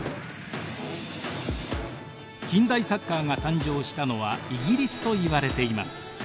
近代サッカーが誕生したのはイギリスといわれています。